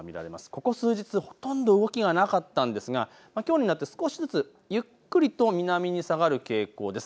ここ数日ほとんど動きがなかったんですが、きょうになって少しずつゆっくりと南に下がる傾向です。